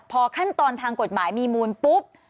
พอขั้นตอนทางกฎหมายมีมูลปุ๊บ